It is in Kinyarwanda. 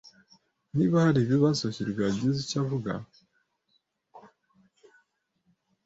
Niba haribibazo, hirwa yagize icyo avuga.